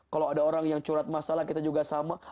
kalau ada orang yang curhat masalah kita juga jangan terbawa pipesnya